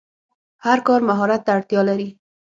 هر کار مهارت ته اړتیا لري.